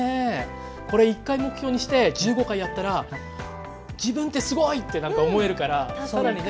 これ１回目標にして１５回やったら自分ってすごいって思えるから更にね